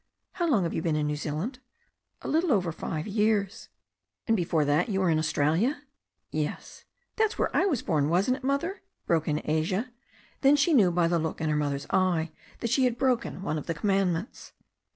How long have you been in New Zealand?" "A little over five years/' "And before that you were in Australia?" "Yes." "That's where I was born, wasn't it. Mother?" broke in Asia. Then she knew by the look in her mother's eye that she had broken one of the commandments.